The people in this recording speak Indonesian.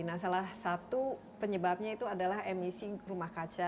nah salah satu penyebabnya itu adalah emisi rumah kaca